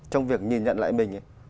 trong việc nhìn nhận lại mình ấy